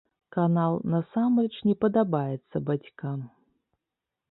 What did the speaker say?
Канал насамрэч не падабаецца бацькам.